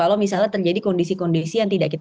kalau misalnya terjadi kondisi kondisi yang tidak kita